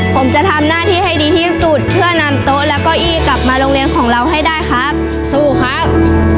ผมจะทำหน้าที่ให้ดีที่สุดเพื่อนำโต๊ะและเก้าอี้กลับมาโรงเรียนของเราให้ได้ครับสู้ครับ